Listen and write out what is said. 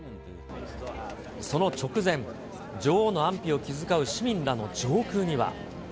その直前、女王の安否を気遣う市民らの上空には。